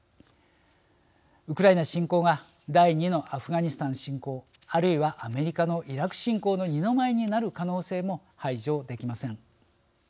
ウクライナ侵攻が第２のアフガニスタン侵攻あるいはアメリカのイラク侵攻の二の舞になる可能性も排除できません。